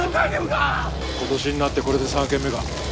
今年になってこれで３軒目か。